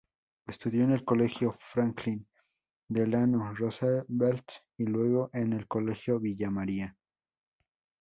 Estudió en el Colegio Franklin Delano Roosevelt y luego en el Colegio Villa María.